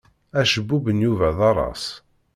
Acebbub n Yuba d aras.